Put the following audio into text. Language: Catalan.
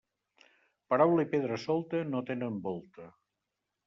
Paraula i pedra solta, no tenen volta.